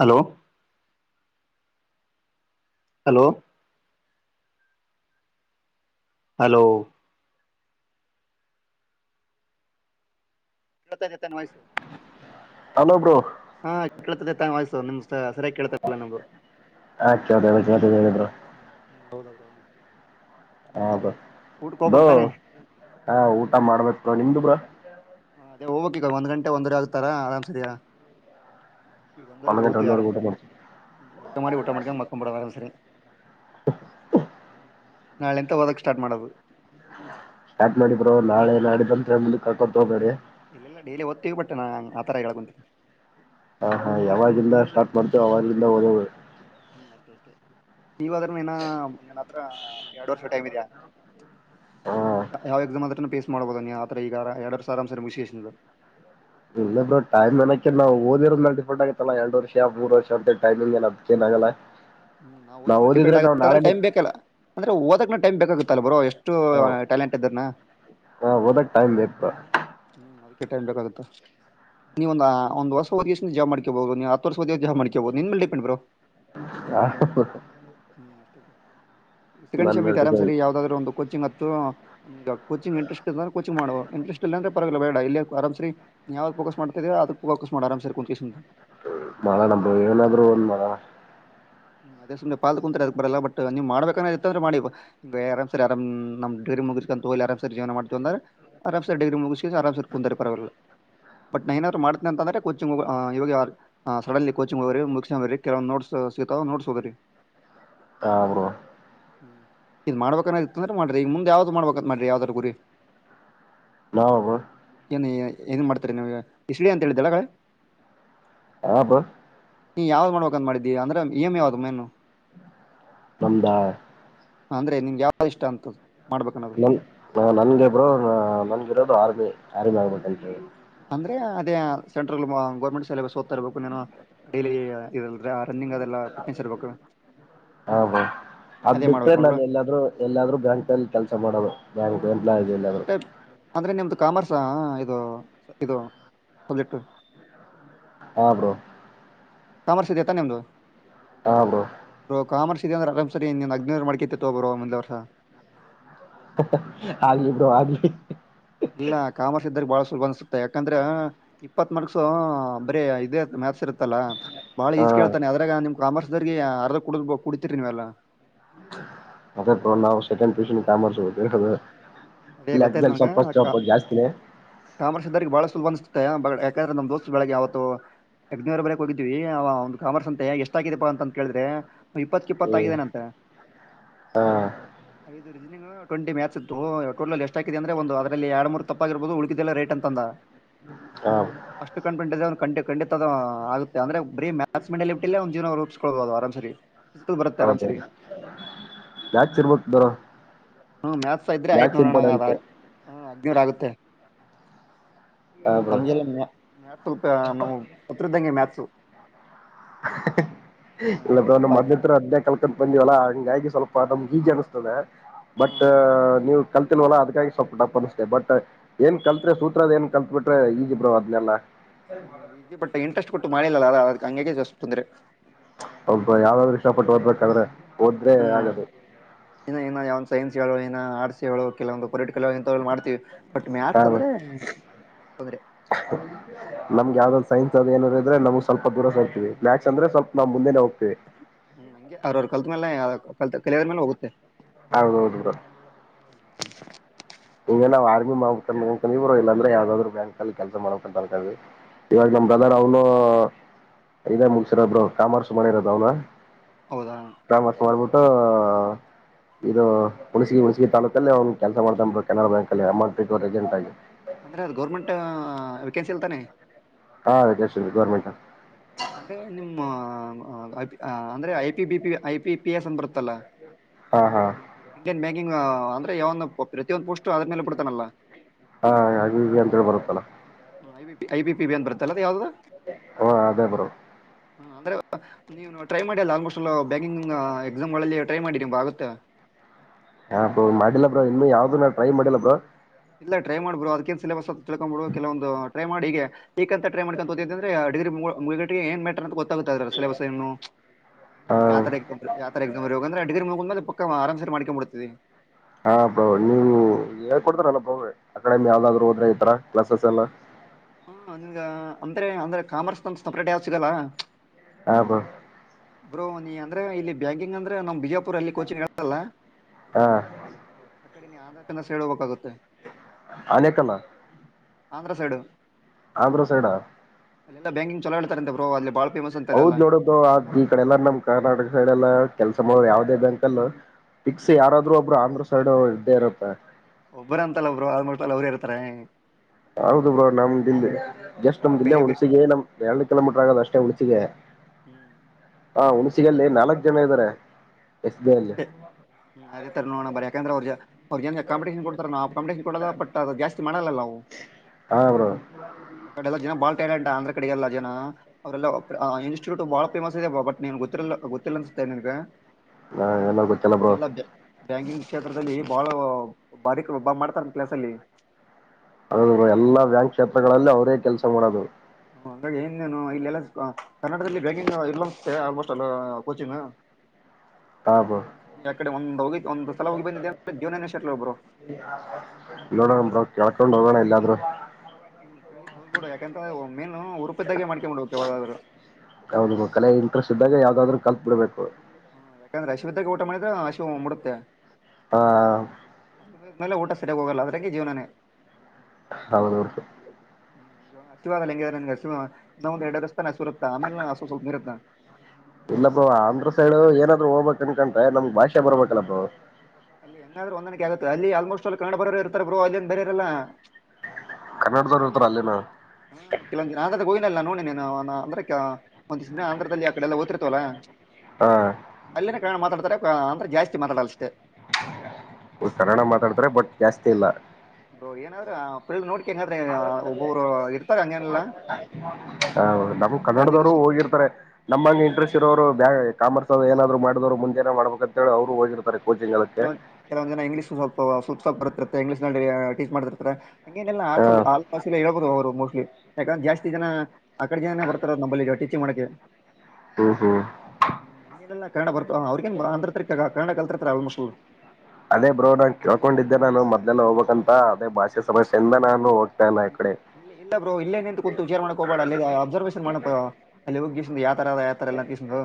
Hello. Hello. Hello. ಇತತಾನ ವಯಸ್ಸು. Hello bro. ಹಾ ಚತ ತಂಗ ನಿಮ್ದ. ಆ ಚದ ಹೇಿದರು. ಕ. ಹಬ. ದೋ ಹಾ ಊಟ ಮಾಡ್ಬೇಕ ನಿಮ್ದು ಬ್ರಾ. ಹ ಅದೇ ಹೋಗ್ಕಗ ಒಂದ್ ಗಂಟೆ ಒಂದರೆ ಆಗ್ತಾರಾ ಆರಾಮ್ಸದಯ. ಈಗ ಒಂದು ಒಂದವರೆರಿಗೆ ಗಂಟೆ ಹೋಗ್ತೀವಿ ಒಂದೂವರೆಗೆ ಆರಾಮ್ಸ ಊಟ ಮಾಡ್ತೀವಿ ಹ್ಮ ಜಟ್ಟ ಮಾಡಿ ಊಟ ಮಾಡ್ಕಂಗ ಮಕೊಬಡ ಆರಾಮ್ ಸರಿ. ನಾಳೆಂತ ಹೋದಕ್ ಸ್ಟಾರ್ಟ್ ಮಾಡದು. ಸ್ಟಾರ್ಟ್ ಮಾಡಿಿದ್ರೋ ನಾಳೆ ನಾಡ ಬಂದ್ರೆ ಮುಂದಕ್ ಕಾಕೊತ ಹೋಗಬೇಡಿ. ಇಲ್ಲ ಇಲ್ಲ ಡೈಲಿ ಓದ್ತವಿ ಬಟ್ಟ ನಾ ಆಥರ ಕೆ ಕುಂತನಿ. ಹ ಹಾ ಯಾವಾಗಿಲಿಂದ ಸ್ಟಾರ್ಟ್ ಮಾಡ್ತೇವೆ ಅವಾಗಿಲಿಂದ ಓದ. ಹ್ಮ್ ಅಷ್ಟೇ ಅಷ್ಟತ. ನೀವ ಅದ್ರ ನ. ಹ ಎರಡು ವರ್ಷ ಟೈಮ್ ಇದೆಯ. ಹಾ ಹಾವದುಮತ್ರ. ಪಫೇಸ್ ಮಾಡಬಹುದನ್ನ ಆತರ ಈಗಾರ ಎರಡರ ಸಾವಿರಾಂ ಸಾರಿ ಮುಷಿಿಸಿದರು. ಇಲ್ಲ ಟಮ್ಏನಕ ನಾ ಓದಿ್ರ ಮೇ ಡಿಫೆಂಟ್ ಆಗತ್ತಲ್ಲ ಎರಡ್ ವರ್ಷ ಮೂರ್ ವರ್ಷ ಅಂತ ಟೈಮಿಂಗ್ಏ ಅದಕ್ಕಏನ್ ಆಗಲ್ಲ. ಹ್ಮ್ ನಾ ಓದ್ ಡಿಪೆಂಡ್ ಆಗ ಅ್ರ ಟೈಮ್ ಬೇಕಲ್ಲ ಅಂದ್ರೆ ಓದಕ್ನ ಟೈಮ್ ಬೇಕಾಗುತ್ತಲ್ಲ ಬರೋ ಎಷ್ಟು ಹಾ ಟ್ಯಾಲೆಂಟ್ ಇದ್ರನ ಓದಕ್ ಟೈಮ್ ಬೇಕು ಹ್ಮ್ ಅದಕ್ಕೆ ಟೈಮಕಾಗತ್ತ ನೀವ ಒಂದ ಒಂದ ವರ್ಷದ ಜ ಮಾಡ್ಕೊಬೋುದು ನೀವು ಹತ್ತು ವರ್ಷ ಒದ ಜಾ ಮಾಡ್ಕಬೋುದು ನಿೇಲೆ ಡಿಪೆಂಡ್ ಬರೋ ಆ [unintelligible] ಹ್ಮ್ ಅಷ್ಟ [inaudible] ಶ್ರಗಣೇಶ ಶಮತಿ ಆರ್ ಡಿಪೆಂಡ್ ಸರಿ ಯಾವದಾದ್ರರು ಒಂದು ಕೋಿಂಗ್. ಈಗ ಕೋಿಂಗ ಇಂಟ್ರೆಸ್ಟ್ ಅ್ರೆ ಕೋಚಿಂಗ್ ಮಾಡುವ ಇಂ್ರೆಸ್ಟ್. ಇಲ್ಲ ಅಂದ್ರೆ ಪರವಾಗಿಲ್ಲ ಬೇಡ ಇಲ್ಲಿ ಆರಾಮ್ ಸರಿ ನೀಾವ್ದ ಫೋಕಸ್ ಮಾಡತಾ ಇದ ಅದಕ್ಫೋಕಸ್ ಮಾಡ ಆರಾಮ ಸರಿ ಕುತ್ಕ. ಮಳ ನ ಏನಾದ್ರು ಒಂದ ಮಳ. ಹ ಅದೇ ಸು್ನೆ ಪಾಲ್ ಕುಂತಾರೆ ಅದ ಬರಲ್ಲ ಬಟ್ ನೀವು್ಬೇಕ ಇತ್ತ ಅಂದ್ರ ಮಾಡಿ ಆರ್ ಸರಿ ಆರಾಮ ನ ಡೇರಿ ಮುಗ್ಕೊಂಡಂತ ಆರಾಮ. ಸರ್ ಜೀವ ಮಾಡ್ತಂದಾರೆ ಆರ್ ಸರ್ ಡಿಗ್ರಿ ಮುಗ ಆರ್ ಸರ್. ಕುಂದರೆ ಪರವಾಗಿಲ್ಲ ಬಟ್ ನಾ ನಾದ್ರು ಮಾಡ್ತೇನೆ ಅಂದ್ರೆ ಕೋಚಿಂಗ್ ಇವಾಗ ಸಡನ್ಲಿ ಕೋಚಿಂಗ್ ಹೋಗ್ರ ಮು್ರ ಕೆಲ ನೋಟ್ಸ್ ಚ ತಾವು್ ನೋಡ್ಸೋದ್ರರಿ. ನಾವು ಹ್ಮ್ ಇದ್ ಮಾಡ್ಬೇಕನ ಇತ್ತಂದ್ರ ಮಾಡ್ರಿ ಈಗ ಮುಂದೆ ಯಾವ್ದ್ ಮಾಡ್ಬತ್ ಮಾಡ್ರಿ ಯಾವ್ದ್ರ ಗುರಿ ನಾವು ನೀ ಏನ್ ಮಾಡ್ತಾರೆ ನೀ ಇಸ್ಲಿ ಅಂತ ಹೇಳಿದ್ದಳಗಡೆ ಹಬ [unintelligible] ಯಾವ್ ಮಾಡ್ಬೇಕಂದ ಮಾಡಿದ್ದಿ ಅಂದ್ರೆ ಈಾಮ ಆದು ಮೆನನು ನನ್ನ ದ ಅಂದ್ರೆ ನಿ್ಗೆ ಯಾವ್ದ್ ಇಷ್ಟ ಅಂತದ ನ ನನ್ಗೆಬ್ರು ನನ್ಗಿರೋದು ಆರ್ ಅರಿಮಿ ಮಾಡಗಟೇಿ [unintelligible] ಅ್ರೆ ಅದೇ ಸೆಂಟ್ರಲ್ ಗೌರ್ಮೆಂಟ್ ಸೆಬಸ್ ಓದ್ಾ ಇರಬೇಕು ಡೈಲಿ ರನ್ನಿಂಗ್ ಅದೆಲ್ಲ ಫಿಟ್ನೆಸ್ ಇರ್ಬೇಕು ಹಬಾ ಅದ್ ಅದೇ ಬಿಟ್ಟ್ರೆ ಮಾಡ್ಬೇಕು ನೋಡ್ಬ್ರ ನಾನು ಎಲ್ಲಾದ್ರರು ಎಲ್ಲಾದ್ರರು ಗಂಟೆಯಲ್ಲಿ ಕೆಲ್ಸ ಮಾಡೋದು ಯವು ಅಂದ್ರೆ ಅಂದ್ರೆ ನಿಮ್ದು ಕಾಮರ್ಸ್ ಇದು ಇದು ಸಬ್ಜೆಕ್ಟ್ ಹಾ ಬ್ರೋ ಕಾಮರ್ಸತ ನೆಮದು ಹಾಬೋ ಂದ್ರೆರ್ ಸರಿ ಅಗ್ನ ಮಾಡ್ಕತ್ತ ತಬರ ಮುಂದೆ ವರ್ಷ ಆಗಿ ಬ್ರೋ ಆಗಿ ಇಲ್ಲ ಕಾಮರ್ಸ್ ಇದ್ದ್ರ ಬಾಳಷ್ಟ ುಲ್ ಅನ್ಸುತ್ತ ಯಾಕಂದ್ರೆ ಇಪ್ಪತ್ ಮಾರ್ಕ್ಸು ಬರೀ ಇದೇ ಮ್ಯಾಥಸ್ ಇರತ್ತಲ್ಲ ಬಹಳ ಹಾ ಈಜ ಕೇಳ್ತೆ ಅದಾಗ ನಿಮ್ ಕಾಮರ್ಸ್ದರಿಗೆ ಅರ್ಧ ಕುಡ ಕುಡ್ತಿೀರಿ ನೀವೆಲ್ಲ ಮತ್ತ ನ ಸಕ ಕರ್ [unintelligible] ಅದ ಗೊತ್ತಾಯ್ತು ನನಗೆ ಜಾಸ್ತಿನೇ ಕಾಮರ್ಷ್ ಇದ್ದರ್ಿಗೆ ಬಾಳ ಸುಲಭ ಅತ ಮ ಯಾಕಂದ್ರೆ ನಮ್ ದೋಸ್ತ್ ಬೆಳಗ್ಗೆ ಅವವತ್ತು ಎಗ್ನವರ ಬಳಗೆ ಹೋಗಿದೀವಿ ಆ ಒಂದು ಕಾಮರ್ಸ್ ಅಂತೆ ಎಷ್ಟ ಆಗಿದಪ್ಪಾ ಅಂತ ಕೇಳಿದ್ರೆ ಇಪ್ಪತ್ ಹ್ಮ್ ಇಪ್ಪತ್ತಾಗಿದ್ದೇನೆಂತೆ. ಐದು ರಿಜನಿಂಗ್ ಟ್ವೆಂಟಿ ಮ್ಯಾಚ್ ಇತ್ತು ಎಷ್ಟ ಹಾಕಿದೆ ಅಂದ್ರೆ ಒಂದು ಅದರಲ್ಲಿ ಎರಡ್ ಮೂರು ತಪ್ಪರ್ಬಹುದು ಉಳಕಲ್ಲ ರೇಟ್ ಅಂತ ಅಂದ ಹಾ ಅಷ್ಟು ಕಫಿಡೆಂಟ್ ಂಡಿತ ಆಗುತ್ತೆ ಅಂದ್ರೆ ಬರೀೀ ರೂಪಬದುರ ಬರುತ್ತೆ ಆರರಿ ಯಾಕ ಇರ್ಬದಾರ ಹ್ಮ್ ಮ್ಯಾತ್ಸ್ ಇದ್ರೆ ಆಯ್ತ ನೋಣದ ವರ ಆಗುತ್ತೆ ಹಾ ಬ್ರೋ ನಮ್ಗೆಲ್ಲ ಸ್ವಲ್ಪ ನಮ್ ಪತ್ರದ್ದಂಗೆ ಮ್ಯಾಥಸು ಇಲ್ಲ್ ಮದ್ ಹತ್ರ ಹದೇ ಕಲ್ಕಂತ ಬಂದಿವವಲ್ಲಾ ಹಂಗಾಗಿ ಸ್ವಲ್ಪ ಪಾದಮ ಗೀ ಜನಿಸ್ತದೆ ಬಟ್ ಹ್ಮ್ ನೀವು ಕಲ್ತಿನ್ವಲ್ಲ ಅದಕ್ಕಾಗಿ ಸ್ವಲ್ಪಟಪ್ಪಪ್ ಅನ್ಿಸತೆ ಬಟ್ ಏನ್ ಕಲ್ತ್ೆ ಸೂತ್ರದ ಏನ್ ಕಲ್ತ್ ಬಿಟ್ರೆ ಈಗಿಬ್ರು ಅದ್ನೆಲ್ಲ. ಹ್ಮ್ ಈಜ ಬಟ್ಟೆ ಇಂಟ್ರೆಸ್ಟ್ ಕೊಟ್ಟ ಮಾಡಿಲ್ಲಲ್ಲ ಅ ಅದಕ್ಕೆ ಹಂಗ ಜಾಸ್ ತೊಂದ್ರೆ ಒಬ್ಬ ಯಾವ್ದಾದ್ರು ಇಷ್ಟಪಟ್ಟ ಓದ್ಬೇಕಾದ್ರೆ ಓದ್ರೆ ಹ್ಮ್ ಆಗದು ಇನ್ನ ಇನ್ನ ಯಾವ ಸೈನ್ಸ್ ಹೇಳೋ ಏನ ಆರ್ಟ್ಸ್ ಹೇಳೋ ಕೆಲವೊಂದು ಪೊಲಿಟಿಕಲ್ ಆಂತ ಮಾಡ್ತೀವಿ ಬಟ್ ಹ ಮ್ಯಾಥ್ಸ್ ಅಂದ್ರೆ ಹದ್ರೆ ಸೈನ್ಸ್ದ ಏನ್ರೆ ನಮಗೆ ಸ್ವಲ್ಪ ದರ ಸರ್ತವಿ ಮ್ಯಾಥಸ್ ಅಂದ್ರ ಸ್ವಲ್ಪ ನಾ ಮುೆನೆ ಹ್ತೀವಿ ಹ್ಮ್ ಹಂಗೆ ಅವ್ರವ್ರ ಕಲ್ತ್ ಮೇಲೆ ಕಲ್ ಕೆಲವ ಮೇಲೆ ಹೋಗುತ್ತೆ ಹೌದೌದುಡ ಹ್ಮ ಹಂಗೆ ನಾವ್ ಆರ್ಮಿ ಮಾಡ್ಬೇಕ್ರರು ಇಲ್ಲಂದ್ರೆ ಯಾವ್ದಾದ್ರು ಬ್ಯಾಂಕ್ ಅಲ್ಲಿ ಕೆಲಸ ಮಾಡಬೇಕಂತ ಅನ್ಕವಿ ಇವಾಗ ನಮ್ಮ್ ಬ್ರದರ್ ಅವನು ಇದ ಮುಂಗಸರೊಬ್ರು ಕಾಮಾರ ಸುಮನೆ ಇರೋದ ಅವ್ನ ಹೌದಾ ಕಾಮ ಸವಾರಬ ಇದು ಹುಣಸಗಿ ಹುಣಸಗಿ ತಾಾಲೂಕಲ್ಲಿ ಅವ್ನ್ ಕೆಲಸ ಮಾಡ್ತೊಂಡ್ ಬ ಕೆನರಾ ಬ್ಯಾಂ ಅಲ್ಲಿ ಅಮಂಟಕ್ ಏಜೆಂಟ್ಗಿ ಅಂದ್ರೆ ಅದು ಗೌರ್ಮೆಂಟ್ ವೆೇಕೆನ್ಸಿ ಅಲ್ತಾನೆ ಹಾದ ಜಸ್ಿ ಗೌರ್ಮೆಂಟ್ ಹ ಅಂದ್ರೆ IP B P I P P S ಅಂದ ಬರುತ್ತಲ್ಲ ಹಾ ಹಾ ಇಂಡಿಯನ್ ಬ್ಯಾಂಕಿಂಗ್ ಅಂದ್ರೆ ಯಾವಂದು ಪ್ರತಿಯೊಂದು ಪೋಸ್ಟ್ ಅದ್ರ ಮೇಲೆ ಬಿಡ್ತಾನಲ್ಲ ಹಾ ಹಾಗ ಅಂತೇಳಿ ಬರುತ್ತಲ. ಹಐ B I B P B ಅಂತ ಬರ್ಲ್ಲ ಯಾವ್ದದು. ಹಓ ಅದೇ ಬರೋ. ಹ ಅಂದ್ರೆ ನೀವು ಟ್ರೈ ಮಾಡಿ ಅಲ್ಲ ಆಲ್ಮೋಸ್ಟ್ ಎ ಬ್ಯಾಂಕಿಂಗ್ ಎಕ್ಸಾಮ್ಗಳಲ್ಲಿ ಟ್ರೈ ಮಾಡಿ ನಿಮ ಆಗುತ್ತೆ. ಹಾ ಬ ಮಾಡಿಲ್ಲ ಬ್ರ ಇನ್ನು ಯಾವ್ದು ನಾ ಟ್ರೈ ಮಾಡಿಲ್ಲ ಬ್ರೋ. ಇಲ್ಲ ಟ್ರೈ ಮಾಡ್ಬುರು ಅದಕ್ಕೇನ್ ಸಿಲೆಬಸ್ ಅ ತಿಳ್ಕೊ್ ಬಿೋಡು ಕೆಲವಂದು ಟ್ರೈ ಮಾಡಿ ಈಗೆ. ಈಕಂತ ್ರೈ ಮಾಡ್ಕಂತತ ಅ್ರೆ. ಡಿಗ್ರಿ ಮುಗೇಟಿಗೆ ಏನ ಮ್ಯಾಟ್ರಿನ್ ಹೊತ್ [unintelligible] ಸಿಲೆಬಸ್ ಏನು ಹಾ ಯಾವತರ ಎ ಯಾವರತರ ಎಕ್ಸಾಮ್ ಬ ಡಿಗ್ರಿ ಮುಗಿದ ಮೇಲೆ ಪಕ್ಕ ಆರಾಮ ಸಿರಿ ಮಾಡ್ಕೊಂಡ ಬಿಡತಿ ಹಾ ಪ್ರ ನೀವು ಹೇಳ್ಕೊಡ್ತರಣ ಪ್ರ ಅಕಾಡೆಮಿ ಯಾವ್ದಾದ್ರು ಹೋದ್ರೆ ಈತರ ಕ್ಲಾಸಸ್ ಎಲ್ಲ ಹಾ ನಿನ್ಗ ಅಂದ್ರೆ ಅಂದ್ರೆ ಕಾಮರ್ಸ್ ನ ಸಪ್ರಟ ಯ ಸಿಗಲ್ಲ ಆ ಬ್ರೋ. ಬ್ರೋ ನೀ ಅಂದ್ರೆ ಇಲ್ಲಿ ಬ್ಯಾಂಕಿಂಗ್ ಅಂದ್ರೆ ನಮ್ ಬಿಜ. ಪೂರ ಅಲ್ಲಿ ಕೋಚಿಂಗ್ ಹೇಳತಲ್ಲ. ಹಾ ಆ ಕಡೆ ನೀ ಆಧ ತ ಸೇ ಹೇಳಬೇಕಾಗುತ್ತೆ. ಅನೇಕಲ್ಲ. ಆಂಧ್ರ ಸೈಡು. ಆ ಆಂದ್ರಾದ್ರಾಸೈಡಾ. ಅಲ್ಲ ಬ್ಯಾಂಂಗ್ ಚಲ ಹೇತಾರೆ ಅ ಬ್ರ ಅಲ್ಲಿಾಳ. ಹೌದ್ ನೋಡೋದು ಆದ ಈ ಕಡೆ ಎಲ್ಲ ನಮ್ ಕರ್ನಾಟಕ ಸೈಡ್ಲ್ಲ ಕೆಲ್ಸ ಮಾಡುವ ಯಾವದೇ ಬ್ಯಾಂಕ ಅಲ್ಲ ಯಾರಾದ್ರೂ ಒಬ್ರು ಆಂಧ್ರ ಸೈಡ್ ಇದ್ದೇ ಇರುತ್ತೆ ಟ್ರೈ ಹೌದು ಬ್ರೋ ನಮ್ದ ಇಲ್ಲಿ ಜಸ್ಟ್ ಇಲ್ಲಿ ಬೇರೆ ನಮ್ದಿಲ್ಲೇ ಬೇರೆ ಬೇರೆ ಹುಣಸಿಗೆ ನಮ್ ಎರಡು ಕಿಲೋಮೀಟರ್ ಆಗದ ಅಷ್ಟೇ ಹುಣಸಿಗೆ ಹ್ಮ್ ಹ ಹುಣ ಸಿಗಲ್ಲಿ ನಾಲ್ಕ್ ಜನ ಇದ್ದಾರೆ ಎಸ್ ಬಿ ಐ ಅಲ್ಲಿ ಅಷ್ಟೇ ಹ್ಮ ಅದೇ ತರನೋಡಣ ಯಕಂದ್ರ ಬರೆ ಅವ್ರ ಜನ ಕಾಂಪಿಟೇಶನ್ ಕೊ ಕ ಕೊಡಲ್ಲ ಬಟ್ ಅ ಜಾಸ್ತಿ ಮಾಡಲ್ಲ ಹಾ ಬ್ರೋ ಆ ಕಡೆಲ್ಲ ಜನ ಬಾ ಡಿಫ್ರೆಂಟ್ ಆಂಧ್ರ ಕಡೆಗೆಲ್ಲ ಜನ ಅವರೆಲ್ಲ ಇನ್ಸ್ಟಿಟ್ಯೂಟ್ ಬಹಳ ಫೇಮಸ್ ಇದೆ ಬಟ್ ಗೊ ಗೊತ್ತಿಲ್ಲ ಅನ್ಸುತ್ತೆ ನಿನ್ಗ ಹಾ ಎಲ್ಲ ಗೊತ್ತಲ್ಲ ಇಲ್ಲಿ ಬ್ರೋ ಎಲ್ಲ ಬ್ಯಾಂಕಿಂಗ್ ಕ್ಷೇತ್ರದಲ್ಲಿ ಬಾಳ ಬಾರಿಕ್ ಒಬ್ಬ ಮಾಡ್ತಾರ ಕ್ಲಸ್ಲ್ ಅ ಎಲ್ಲಾ ಬ್ಯಾಂಕ್ ಕ್ಷೇತ್ರಗಳಲ್ಲಿ ಅವರೇ ಕೆಲಸ ಮಾಡೋದು ಹಾಗಗಿ ಇನ್ನೇನು ಇಲ್ಲಲ್ಲ ಕರ್ನಾಟಕದಲ್ಲಿ ಬ್ಯಾಂಕಿಂಗ್ ಇಲ್ಲ ಅನ್ನುಸ್ತೇ ಆಲ್ಮೋಸ್ಟ್ ಕೋಚಿಂಗ್ ಹ ಬ್ರೋ ಆ ಕಡೆ ಒಂದ್ ಹೋಗಿ ಒಂದ್ ಸಲ ಹೋಗಿ ಬಂದಿದ್ದೆ ಅಂದ್ರೆ ಜೀವನನೇ ಶಟ್ಲ್ ಬ್ರೋ ನೋಡಂ ಬ್ರೋ ಡ ಹೋದಣ ಎಲ್ಲಾದ್ರೂ ಹುಂ ಕೆಳಗಿಸಿ ಹೋಗಬಿಡು ಯಾಕೆಂತಂದ್ರ ಮೇನು ಉರುಪದಾಗೆ ಮಾಡ್ಕೊಂಡು ಹೋಗಕ ಯಾವದಾದ್ರ ಕಲ್ತಬಿಡಬೇಕು ಹ್ಮ ಯಾಕಂದ್ರೆ ಅಶ್ವಿದಾಗ ಊಟ ಮಾಡಿದ್ರೆ ಅಶ್ ಮುಡುತ್ತೆ ಹಾ ಮೇಲೆ ಊಟ ಸರಿಗಿ ಹೋಗಲ್ಲ ಅದ್ರಕ್ಕೆ ಜೀವನೇ ಹೌದು [unintelligible] ಹ್ಮ್ ಹಸಿವಾಗಲ್ಲ ಹೆಂಗಗೆ ಹಸಿವ ಇನ್ನೊಂದ ಎರಡಷ್ಟು ಸುರತ ಆಮೇಲೆ ಸ್ವಲಪ ಹಸಿವ ಇರ್ತಾ ಹೋಗಬೇಕಕ್ ಅನ್ಕಂತ್ರೆ ನಮ್ಗ್ ಭಾಷೆ ಬರ್ಬೇಕಲ್ಲಪ್ಪ ಅಲ್ಲಿ ಹೆಂಗಾದ್ರರು ಹೊಂದಾಣೆ ಆಗುತ್ತೆ ಅಲ್ಲಿ ಆಲ್ಮೋಸ್ಟ್ ಅ ಕನ್ನಡ ಬರರು ಇರ್ತಾರ ಬ್ರೋ ಅಲೆನ್ ಬೇರೆರರಲ್ಲ ಕನ್ನಡದವ್ರ ಇರ್ತಾರ ಅಲ್ಲೇನ. ಹಾ ಕೆವೊಂದ್ನ ಆಗಾದ ಹೋಗ್ನಲ್ಲ ನೋಡಿ ನ. ಅಂದ್ರಕ್ಕಾ ಒಂದಿಸ ದಿನ ಆಂಧ್ರದಲ್ಲಿ ಅಕಾಡೆಲ್ಲ ಹೊತಿರ ತೋಲಾ ಹಾ ಮಾತಾಡ್ತಾರೆ ಅಂದ್ರೆ ಜಾಸ್ತಿ ಮಾತಾಡಲ್ಲ ಅಷ್ಟೇ ಒ ಕನ್ನಡ ಮಾತಾಡ್ತಾರೆ ಬಟ್ ಜಾಸ್ತಿ ಇಲ್ಲ ಬ್ರೋ ಏನಾದ್ರ [unintelligible] ಹ ನಮ್ ಅಲ್ಲಿ ಕನ್ನಡದವರು ಸ್ವಲ್ಪ ಹೋಗಿರ್ತಾರೆ ನಮ್ಮಂಗೆ ಇಂಟ್ರೆಸ್ಟ್ ಇರೋರು ಬ ಕಾಮರ್ಸ್ ಏನಾದ್ರು ಮಾಡಿದವ್ರು ಮುಂದೆನ ಮಾಡಬೇಕ ಅಂತ ಹೇಳಿ ಅವರು ಹೋಗಿರ ಕೆಲ ಕೇಲೋವೊಂದ ಜನ ಇಂಗ್ಲೀಷ್ ಸ್ವಲ್ಪ ಸ್ವಲ್ಪ ಬರುತ್ ತೇ ಇಂಗ್ಲಷ ನಲ್ಲಿ ಟೀಚ್ ಮಾಡಿರ್ತಾರೆ. ಹಂಗೇನಿಲ್ಲ ಹ ಆರ್ಟ್ಸ್ ಅಲ್ಲಿ ಆಸ ಪಾಸಲ್ಲಿ ಹೇಳಬಹುದು ಅವರು ಮೋಸ್ಟ್ಲಿ. ಯಾಕಂದ್ರೆ ಜಾಸ್ತಿ ಜನ ಆಕಡೆಗೇ ನೇ ಬರ್ತಾರೆ ನಮ್ಮಲ್ಲಿ ಟೀಚಿಂಗ್ ಮಾಡಕ್ಕೆ. ಹ್ಮ್ ಹ್ಮ್ ಹ್ಮ್ ಹಂಗೇನಿಲ್ಲ ಕನ್ನಡ ಬರ್ತವ ಅವ್ರಗೇನ ಬಂದಿರತಾವ್ ಅಗಾವ. ಕನ್ನಡ ಕಲ್ತಿರ್ತಾರ್ ಆಲ್ಮೋಸ್ಟ್. [unintelligible] ಅದೇ ಬ್ರೋ ನಾನ್ ಕೇಳ್ಕೊಂಡಿದ್ದೆ ನಾನು ಮದ್ಯಾನ ಹೋಗ್ಬೇಕ ಅಂತ ಅದೇ ಭಾಷೆ ಸಮಸ್ಯೆಯಿಂದ ನಾನು ಹೋಗ ಇಲ್ಲಿ ಇಲ್ಲಿ ಇಲ್ಲ ಬ್ರೋ ಇಲ್ಲೇ ನಿಂತ ಕುೂಂತು ವಿಚೇರ್ ಮಾಡಕ್ ಹೋಗಬೇಡ ಅಲ್ಲಿದ ಅಬ್ಸರ್ವೇಶನ್ ಮಾಡ ಅಲ್ಲಿ ಹೋಗಿಗಿಸಿಂದ ಯಾವತರ ಅದ ಯಾವತರ ಇಲ್ಲ ಅಂತಗಿಸಿಂದ.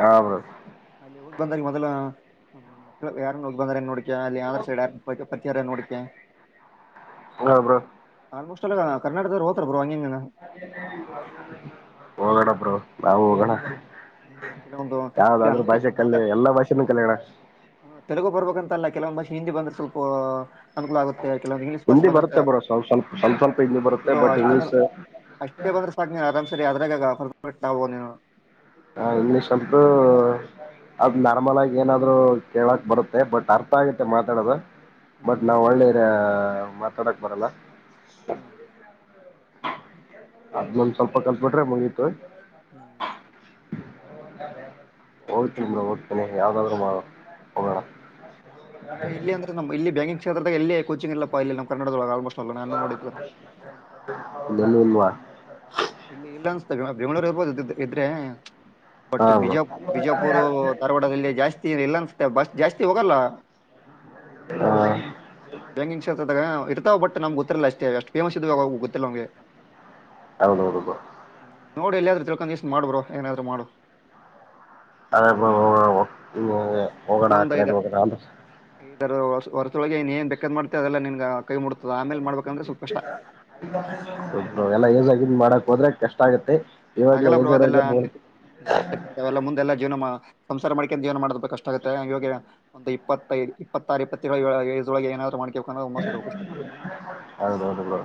ಹಾ ಬ್ರೋ ಬಂದಲ್ಲಿ ಮೊದಲ ಯಾವ, ಇಲ್ಲ ಯಾರನ ಹೋಗಿ ಬಂದಾರನ ನೋಡ ಇಗ. ಅಲ್ಲಿ ಯಾವರೆ ಸೈಡ್ ಪರಿಚೆ ಆದಾರ್ನ ನೋಡಿಕ ಹ ಬ್ರೋ ಆಲ್ಮೋಸ್ಟಾಲ ಕರ್ನಾಟಕ ದಾವ್ರ ಹೋಗತಾರ್ ಬ್ರೋ ಹಂಗ ಹಿಂಗ್ ಹೋಗ್ಬೇಡ ಬ್ರೋ. ನಾವು ಹೋಗೋನಾ. ಹ್ಮ್ ಕೆಲವೊಂದು ಈಗ ಅಂತ ಕಲಿ ಆಂದ್ರಾ, ಎಲ್ಲಾ ಭಾಷೆನೂ ಕಲಿಯೋಣ ಹ್ಮ್ ತೆಲುಗು ಬರ್ಬೇಕಂತಲ್ಲ ಕೆಲವೊಂದ ಬಾಷ ಹಿಂದಿ ಬಂದ್ರ ಸ್ವಲ್ಪ ಅನುಕೂಲ ಆಗುತ್ತೆ ಕೆಲವೊಂದು ಇಂಗ್ಲೀಷ್ ಭಾಷೆ ಹಿಂದಿ ಬಂದಿರತ ಬರುತ್ತೆ ಬ್ರೋ ಸ್ವಲ್ಪ ಸ್ವಲ್ಪ ಸ್ವಲ್ಪ ಸ್ವಲ್ಪ ಹಿಂದಿ ಆಯ್ತ ಬರುತ್ತೆ ಬ್ರೋ ಬಟ್ ಅಷ್ಟೇ ಬ ಇಂಗ್ಲೀಷ್ ಅಷ್ಟೇ ಬಂದ್ರೆ ಸಾಕ ನಿ ಆರಾಮ್ ಸರಿ ಅದ್ರಾಗ ಹೊ ಭಟ್ಟ ಆಗಬಹುದ್ನೇನೋ. ಹ ಇಂಗ್ಲಿಷ್ ಸ್ವಲ್ಪ ಅದ ನಾರ್ಮಲ್ ಆಗಿ ಏನಾದ್ರು ಕೇಳಕ್ ಬರುತ್ತೆ ಬಟ್ ಅರ್ಥ ಆಗುತ್ತೆ ಮಾತಾಡೋದು. ಬಟ್ ನಾವ್ ಹ್ಮ್ ಒಳ್ಳೇದ ಹ ಮಾತಾಡಕ್ ಬರಲ್ಲ. ಹ್ಮ್ ಅದನೊಂದ ಸ್ವಲ್ಪ ಕಲ್ತಬಿಟ್ರೆ ಮುಗಿತ ಹ್ಮ್ ಹೋಗ್ತೀನ ಬ್ರೋ ಹೋಗ್ತಿನಿ ಯಾವ್ದಾದ್ರು ಮ ಹ್ಮ್ ಅಂದ್ರೆ ಇಲ್ಲಿ ಅಂದ್ರೆ ನಮ ಇಲ್ಲಿ ಬ್ಯಾಗಿಂಗ್ ಕ್ಷೇತ್ರ ದಾಗ್ ಎಲ್ಲಿ ಕೋಚಿಂಗ್ ಇಲ್ಲಪ್ಪ ಇಲ್ಲಿ ನಮ್ಮ ಕರ್ನಾಟಕದೊಳಗೆ ಆಲ್ಮೋಸ್ಟ [unintelligible] ಇಲ್ಲಿ ಯಲ್ಲೂ ಇಲ್ವಾ. ಇಲ್ಲಿ ಇಲ್ಲ ಅನಸ್ತೇ ಬ್ರೋ ಬೆಂಗಳೂರು ಇರ್ಬೋದು ಇದ್ದಿದ ಇದ್ರೆ. ಹಾ ಬಟ್ ಬ್ರೋ ಬಿಜಾ ಬಿಜಾಪುರೂ ಧಾರವಾಡದಲ್ಲಿ ಜಾಸ್ತಿ ಇಲ್ಲ ಅನ್ಸ್ ತ್ತೆ ಬಸ್. ಜಾಸ್ತಿ ಹೋಗಲ್ಲ ಹ ಬ್ಯಾಂಕಿಂಗ್ ಕ್ಷೇತ್ರದಾಗ ಬಟ್ಟ ನಮ್ ಗೊತ್ತಲ್ಲ ಅಷ್ಟೇ ಅಷ್ಟ ಫೇಮಸ್ ಇದು ಗೊತ್ತಿಲ್ಲ ಅವ್ಗೆ ಹೌಹೌದೌಬ ನೋಡಿ ಎಲ್ಲಿಯಾದ್ರೂ ತಿಳ್ಕೊಂಡು ಇಷ್ಟ ಮಾಡ್ಬ ಏನಾದ್ರರು ಮಾಡು ಅದೇ [unintelligible] ಹೋಗೋಣ ಅ ಕಡೆಗೆ ಹೋಗೋಣ ಇದ ಹೊರತೊಳಗೆ ಏನ್ ಬೇಕಕ್ಕದ ಮಾಡತತೆ ಅದೆಲ್ಲ ನಿನ್ ಎಲ್ಲ ಏಗಿದ್ ಮಾಡಕ್ ಹೋದ್ರೆ ಕಷ್ಟ ಆಗುತ್ತೆ ಹಾಗಲ್ಲ ಬ್ರೋ ಅದೆಲ್ಲ ನಿಸೆಲ್ಲ ಮುಂದೆಲ್ಲಾ ಜೀವನ ಸಂಸಾರ ಮಾಡ್ಕೊಂಡಂತ ಏನ್ ಮಾಡ ಕಷ್ಟ ಆಗುತ್ತೆ ಇಾಗ ಒಂದು ಇಪ್ಪತ್ತೈದು ಇಪ್ಪತ್ತಾರು ಇಪ್ಪತ್ತ ಇದೊಳ ಏನಾದ್ ಮಾಡ ಹೌದ್ ಹೌದು ಬ್ರೋ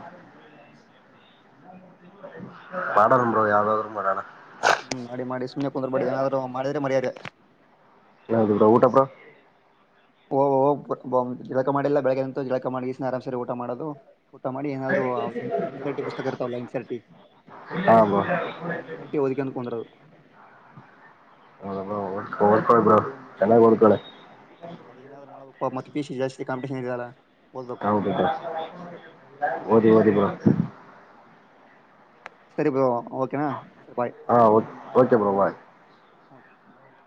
ಮಾಡೋಣ ಬ್ರೋ ಯಾವ್ದಾದರೂ ಮಾಡಡಣ ಹ್ಮ್ ಮಾಡಿ ಮಾಡಿ ಸುಮ್ಮನೆ ಕುಂದ್ರ ಬೇಡಿ ಏನಾದ್ರು ಮಾಡಿದ್ರೆ ಮರ್ಯಾರೆ ಯದು ಬ್ರಾ ಊಟ ಬ್ರೋ ಓಹ ಜಿಳಕ ಮಾಡಿಲ್ಲ ಬೆಳಗ್ಗಂತು ಜಿಳಕ ಮಾಡಿ ಆರಾಮ್ಸರಿ ಊಟ ಮಾಡೋದು ಊಟ ಮಾಡಿ ಏನಾದ್ರು ಎನ್ ಸಿರ್ ಟಿ ಪುಸ್ತಕ ಇರ್ತಲ್ಲ ಎನ್ ಸಿರ್ರ್ ಹಾ ಬ್ರೋ ಓದ ಕುಂದದು ಹ ಚೆನ್ನಾಗಿ ಡ್ಕಣ [unintelligible] ಹ್ಮ್ ಅದೇನಾದ್ ಮಾಡಬೇಕು ಮತ್ತ ಪ ಸಿ ಜಾತಿಾಂಪಿಟಷನ್ ಇದಲ್ಲ ಹೌದುದ್ದ ಓದಿ ಓದಿ ಬ್ರೋ ಹ [inaudible] ಸರಿಪ ಬ್ರೋ ಓಕೆನಾ ಸರಿ ಹಾ ಓಕೆ ಬ್ರೋ ಬಾಯ್ ಹೌದು [inaudible]